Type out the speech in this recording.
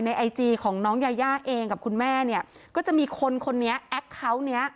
ในไอจีของน้องยาย่าเองกับคุณแม่เนี้ยก็จะมีคนคนนี้เนี้ย